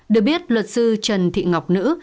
được biết luật sư trần thị ngọc nữ